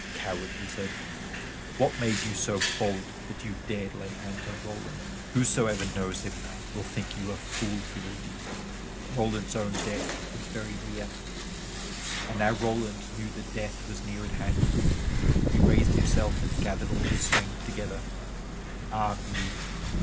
"Coward," he said, "what made you so bold that you dared lay hands on Roland? Whosoever knows him will think you a fool for your deed." [Illustration: ROLAND'S OWN DEATH WAS VERY NEAR] And now Roland knew that death was near at hand. He raised himself and gathered all his strength together ah me!